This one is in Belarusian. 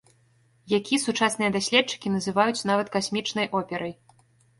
Які сучасныя даследчыкі называюць нават касмічнай операй.